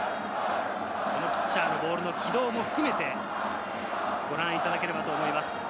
ピッチャーのボールの軌道も含めてご覧いただければと思います。